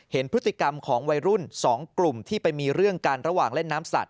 เห็นพฤติกรรมของวัยรุ่น๒กลุ่มที่ไปมีเรื่องกันระหว่างเล่นน้ำสัตว